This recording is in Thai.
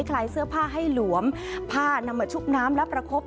ลายเสื้อผ้าให้หลวมผ้านำมาชุบน้ำและประคบ